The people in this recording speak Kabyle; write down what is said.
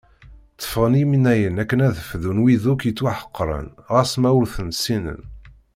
Tteffɣen imnayen akken ad d-fdun wid akk yettwaḥeqren ɣas ma ur ten-ssinen.